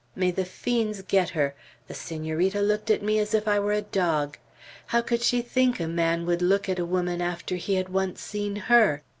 May the fiends get her! The Senorita looked at me as if I were a dog. How could she think a man would look at a woman after he had once seen her!